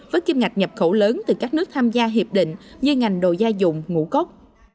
với kim ngạch nhập khẩu lớn từ các nước tham gia hiệp định như ngành đồ gia dụng ngũ cốc